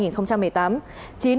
chín đồng tiền